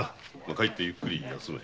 帰ってゆっくり休め。